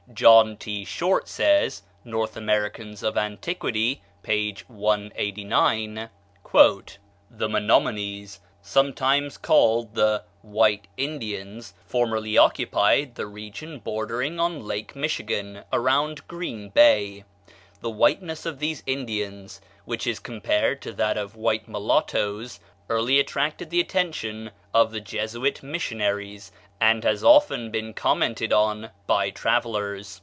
John T. Short says ("North Americans of Antiquity," p. 189): "The Menominees, sometimes called the 'White Indians,' formerly occupied the region bordering on Lake Michigan, around Green Bay. The whiteness of these Indians, which is compared to that of white mulattoes, early attracted the attention of the Jesuit missionaries, and has often been commented on by travellers.